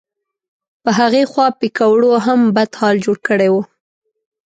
په هغې خوا پیکوړو هم بد حال جوړ کړی و.